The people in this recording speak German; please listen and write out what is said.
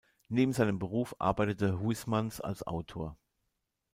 Neben seinem Beruf arbeitete Huysmans als Autor.